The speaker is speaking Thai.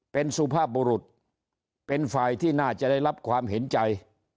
เป็นสุภาพบุรุษเป็นฝ่ายที่น่าจะได้รับความเห็นใจ